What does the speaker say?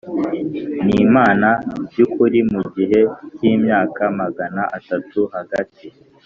n Imana y ukuri mu gihe cy imyaka magana atatu Hagati